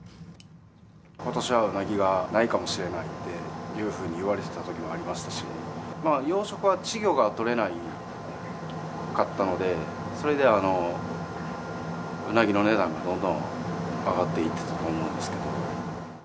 ことしはウナギがないかもしれないのでというふうに言われたときもありましたし、養殖は稚魚が取れないかったので、それでウナギの値段がどんどん上がっていっていると思うんですけど。